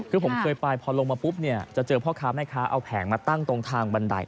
คือผมเคยไปพอลงมาปุ๊บเนี่ยจะเจอพ่อค้าแม่ค้าเอาแผงมาตั้งตรงทางบันได